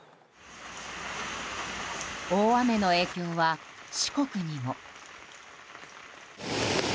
大雨の影響は、四国にも。